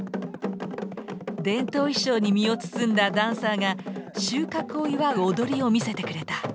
伝統衣装に身を包んだダンサーが収穫を祝う踊りを見せてくれた。